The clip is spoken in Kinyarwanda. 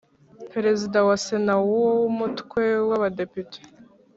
Perezida wa Sena Perezida w Umutwe w Abadepite